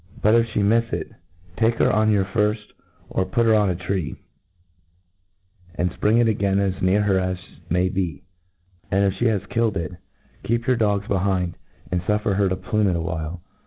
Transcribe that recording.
But, if fhc mifs it, take her on your firfl, or put her on a tree, and fpring it again as near her as may be; and if fhe has killed it, keep your dogs behind, and fuffer her to plume it a white.